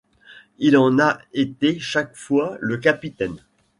Il en a été chaque fois le capitaine.